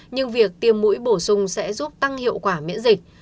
nhưng việc tiêm mũi bổ sung sẽ giúp tăng hiệu quả miễn dịch